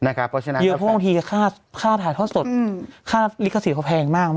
เยอะเพราะบางทีค่าถ่ายทอดสดค่าลิขสิทธิ์เขาแพงมาก